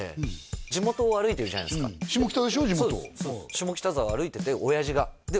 下北沢歩いてて親父がで